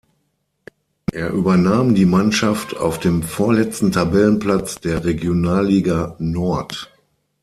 Er übernahm die Mannschaft auf dem vorletzten Tabellenplatz der Regionalliga Nord.